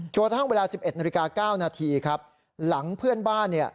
จนทั้งเวลา๑๑นาฬิกา๙นาทีหลังเพื่อนบ้าน